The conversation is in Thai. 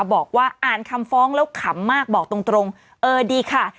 บอกว่าอ่านคำฟ้องแล้วขำมากบอกตรงตรงเออดีค่ะ